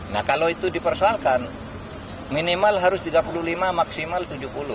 nah kalau itu dipersoalkan minimal harus tiga puluh lima maksimal tujuh puluh